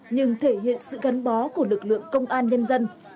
nhưng thể hiện sự gắn bó của lực lượng công an nhân dân